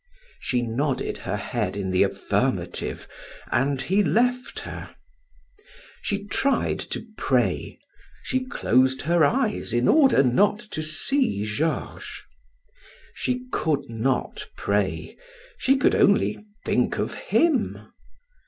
She nodded her head in the affirmative and he left her. She tried to pray; she closed her eyes in order not to see Georges. She could not pray; she could only think of him.